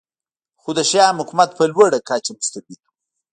خو د شیام حکومت په لوړه کچه مستبد و